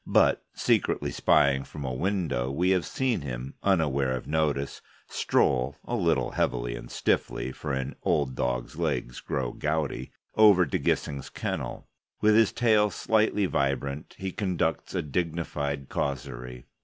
But secretly spying from a window, we have seen him, unaware of notice, stroll (a little heavily and stiffly, for an old dog's legs grow gouty) over to Gissing's kennel. With his tail slightly vibrant, he conducts a dignified causerie.